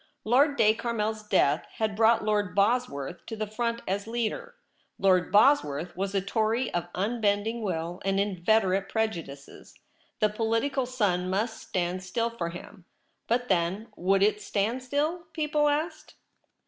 Lord de Carmel's death had brought Lord Bosworth to the front as leader. Lord Bosworth was a Tory of unbending will and inveterate prejudices ; the political sun must stand still for him ; but then, would it stand still ? people asked.